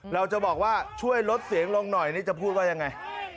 เราจะบอกว่าช่วยลดเสียงลงหน่อยนี่จะพูดว่ายังไง